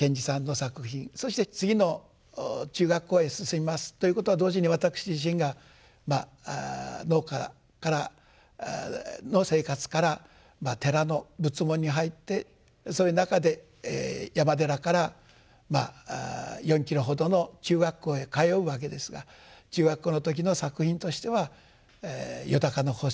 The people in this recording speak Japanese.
そして次の中学校へ進みますということは同時に私自身が農家の生活から寺の仏門に入ってそういう中で山寺から４キロほどの中学校へ通うわけですが中学校の時の作品としては「よだかの星」。